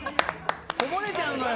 こぼれちゃうのよ